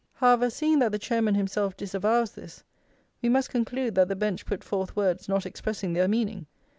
However, seeing that the Chairman himself disavows this, we must conclude that the bench put forth words not expressing their meaning.